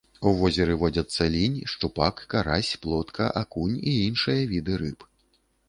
У возеры водзяцца лінь, шчупак, карась, плотка, акунь і іншыя віды рыб.